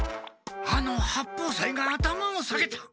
あの八方斎が頭を下げた。